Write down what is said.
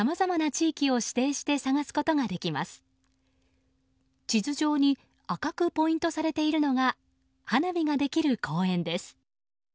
地図上に赤くポイントされているのが花火ができる公園です。